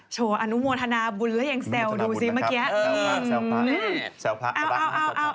โชว์อนุโมธนาบุญและแยงแซวดูสิเมื่อกี้